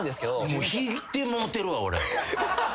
もう引いてもうてるわ俺。